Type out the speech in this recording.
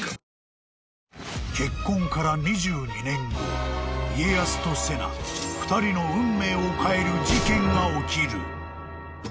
［結婚から２２年後家康と瀬名２人の運命を変える事件が起きる］